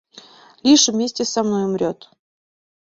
Лишь вместе со мной умрет!